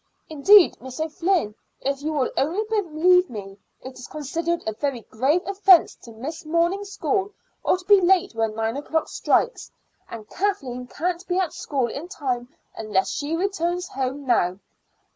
Indeed, Miss O'Flynn, if you will only believe me, it is considered a very grave offence to miss morning school or to be late when nine o'clock strikes; and Kathleen can't be at school in time unless she returns home now."